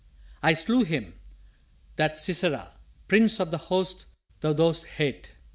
I slew him, that Sisera, prince of the host Thou dost hate.